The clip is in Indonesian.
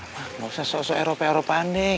pak enggak usah sok sok eropa eropa nih